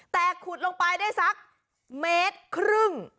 แต่ขุดลงไปได้สักเมตรครึ่ง